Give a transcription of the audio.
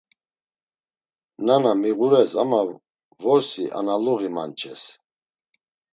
Nana miğures ama vorsi analuği manç̌es.